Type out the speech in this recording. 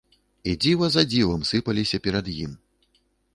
І дзіва за дзівам сыпалася перад ім.